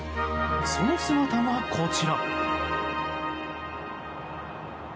その姿が、こちら。